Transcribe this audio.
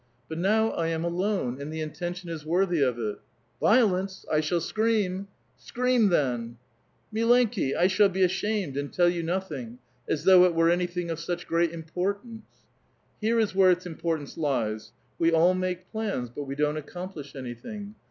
But now I am alone ; and the intention is worthy of it." '* Violence ! I shall scream !"" Scream then I "^^ Milenki mo'i ! I shall be ashamed, and tell you nothing. As thoujih it were anything of such great importance !"*' Here is where its importance lies : we all make plans, but we iloiTt accomplish any thing.